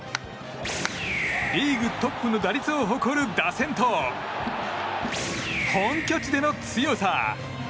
リーグトップの打率を誇る打線と本拠地での強さ。